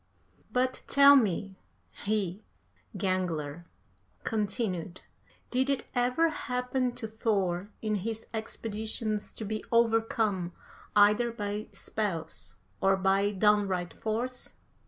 45. "But tell me," he (Gangler) continued, "did it ever happen to Thor in his expeditions to be overcome either by spells or by downright force?"